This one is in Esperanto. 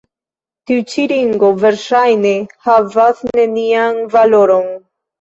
Tiu ĉi ringo verŝajne havas nenian valoron.